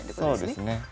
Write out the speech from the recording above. そうですね。